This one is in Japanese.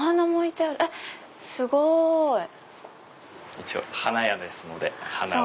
一応花屋ですので花は。